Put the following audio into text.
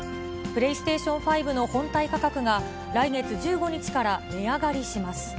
プレイステーション５の本体価格が、来月１５日から値上がりします。